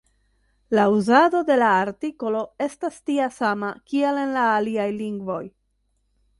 La uzado de la artikolo estas tia sama, kiel en la aliaj lingvoj.